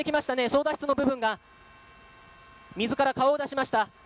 操舵室の部分が水から顔を出しました。